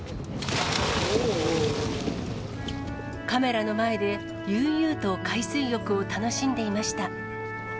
カメラの前で悠々と海水浴を楽しんでいました。